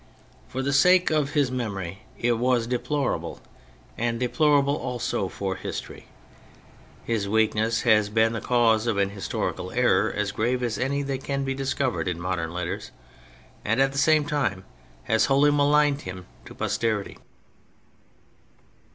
For the sake of his memory it was deplorable, and deplorable also for history. His weak ness has been the cause of an historical error as grave as any that can be discovered in modern letters, and at the same time has wholly maligned him to posterity.